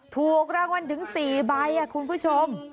ถูกรางวัลถึง๔ใบคุณผู้ชม